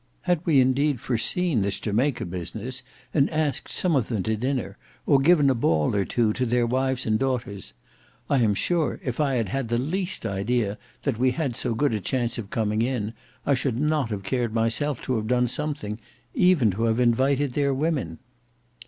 Had we indeed foreseen this Jamaica business, and asked some of them to dinner, or given a ball or two to their wives and daughters! I am sure if I had had the least idea that we had so good a chance of coming in, I should not have cared myself to have done something; even to have invited their women."